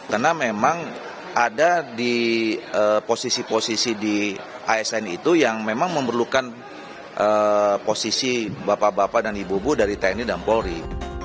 karena memang ada di posisi posisi di asn itu yang memang memerlukan posisi bapak bapak dan ibu ibu dari tni dan pori